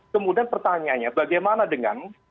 kemudian pertanyaannya bagaimana dengan